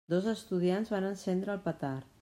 Dos estudiants van encendre el petard.